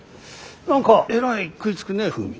何かえらい食いつくねフーミン。